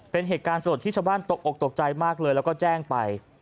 เป็นเหตุการณ์สลดที่ชาวบ้านตกออกตกใจมากเลยแล้วก็แจ้งไป